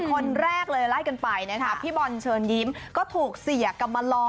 คนแรกเลยไล่กันไปนะคะพี่บอลเชิญยิ้มก็ถูกเสียกรรมลอ